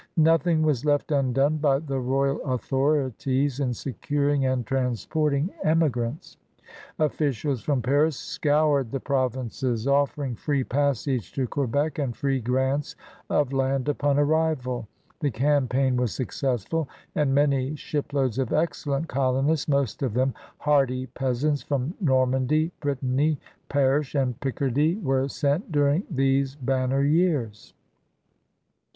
Nothing was left undone by the royal authorities in securing and transport ing emigrants. Officials from Paris scoured the provinces, offering free passage to Quebec and free grants of land upon arrival. The cam paign was successful, and many shiploads of excellent colonists, most of them hardy peasants from Normandy, Brittany, Perche, and Picardy, were sent during these banner years.